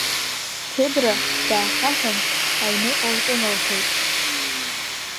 Ҭебра даахьаҳәын, аҩныҟа лҿыналхеит…